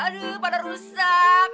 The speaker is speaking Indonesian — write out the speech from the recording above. aduh pada rusak